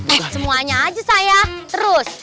eh semuanya aja saya terus